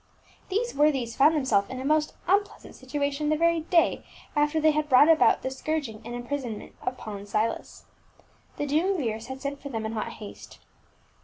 These worthies found themselves in a most un pleasant situation the very day after they had brought 328 P. I UL. about the scourging and imprisonment of Paul and Silas. The duumvirs had sent for them in hot haste.